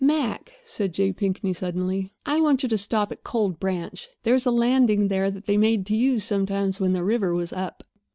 "Mac," said J. Pinkney suddenly, "I want you to stop at Cold Branch. There's a landing there that they made to use sometimes when the river was up."